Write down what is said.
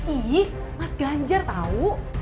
ih mas ganjar tau